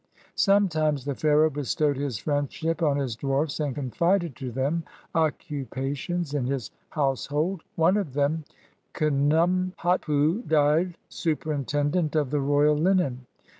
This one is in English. Sometimes the Pharaoh bestowed his friendship on his dwarfs and confided to them occupations in his house hold. One of them, Kniimhotpu, died superintendent of the royal linen.